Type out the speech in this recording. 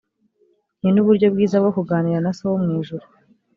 ni n’uburyo bwiza bwo kuganira na so wo mu ijuru